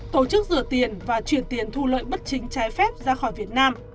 tổ chức rửa tiền và chuyển tiền thu lợi bất chính trái phép ra khỏi việt nam